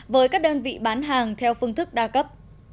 với các đơn vị bán hàng theo phương thức đa cấp